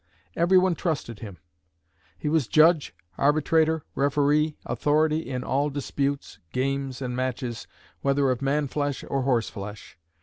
Everyone trusted him. He was judge, arbitrator, referee, authority in all disputes, games, and matches whether of man flesh or horse flesh.